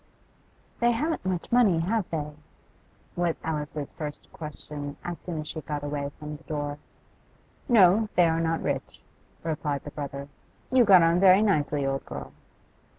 'They haven't much money, have they?' was Alice's first question as soon as she got away from the door. 'No, they are not rich,' replied the brother. 'You got on very nicely, old girl.